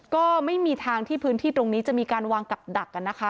ก็ไม่มีทางที่พื้นที่ตรงนี้จะมีการวางกับดักกันนะคะ